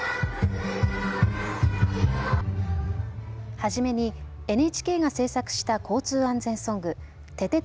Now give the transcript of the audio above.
初めにＮＨＫが制作した交通安全ソング、ててて！